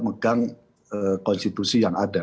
menganggap konstitusi yang ada